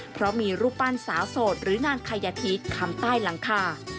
เพราะมีรูปปั้นสาวโสดหรือนางขยะทิศคำใต้หลังคา